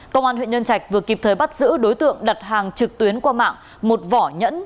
công an huyện nhân trạch vừa kịp thời bắt giữ đối tượng đặt hàng trực tuyến qua mạng một vỏ nhẫn